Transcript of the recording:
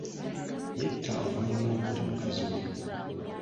Yetta oluvannyumwa lw'okutta mukazi we.